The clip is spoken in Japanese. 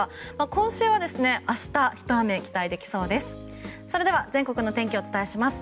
今週は明日ひと雨期待できそうです。